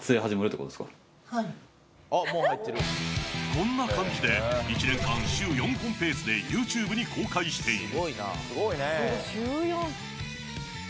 こんな感じで１年間、週４本ペースでＹｏｕＴｕｂｅに公開している。